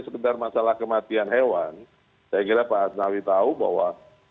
sekedar masalah kematian hewan saya kira pak asnawi tahu bahwa